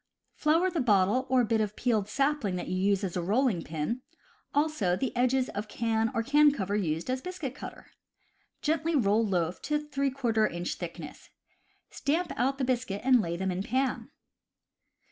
Flour the bottle or bit of peeled sapling that you use as rolling pin, also the edges of can or can cover used as biscuit cutter. Gently roll loaf to three quarter inch thickness. Stamp out the biscuit and lay them in pan.